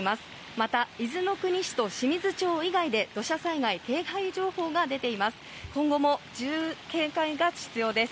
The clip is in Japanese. また、伊豆の国市と清水町以外で土砂災害警戒情報が出ています。